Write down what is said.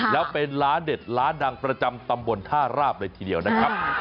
แล้วเป็นร้านเด็ดร้านดังประจำตำบลท่าราบเลยทีเดียวนะครับ